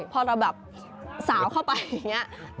พอเราแบบสาวเข้าไปอย่างนี้